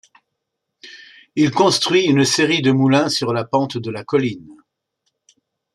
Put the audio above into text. Il construit une série de moulins sur la pente de la colline.